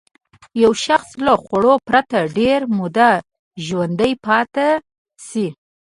یو شخص له خوړو پرته ډېره موده ژوندی پاتې شي.